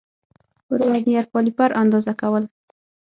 پر ورنیر کالیپر اندازه کول